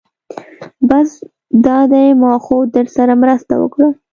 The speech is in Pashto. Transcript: بس دا دی ما خو درسره مرسته وکړه.